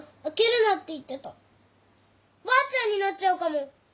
ばあちゃんになっちゃうかも。